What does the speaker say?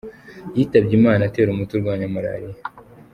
Yitabye Imana atera umuti urwanya malariya